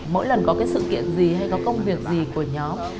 mỗi lần có cái sự kiện gì hay có công việc gì của nhóm